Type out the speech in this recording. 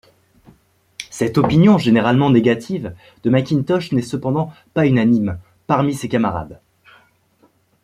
Cette opinion, généralement négative, de Mackintosh n'est cependant pas unanime parmi ses camarades.